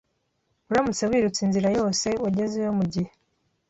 Uramutse wirutse inzira yose, wagezeyo mugihe.